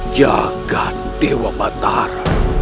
jaga dewa batar